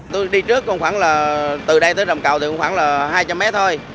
tôi đi trước khoảng là từ đây tới rầm cầu thì khoảng là hai trăm linh mét thôi